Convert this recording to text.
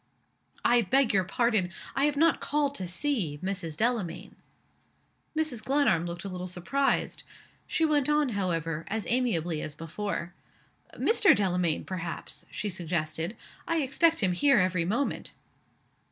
"I beg your pardon I have not called to see Mrs. Delamayn." Mrs. Glenarm looked a little surprised. She went on, however, as amiably as before. "Mr. Delamayn, perhaps?" she suggested. "I expect him here every moment."